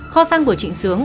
kho xăng của trịnh sướng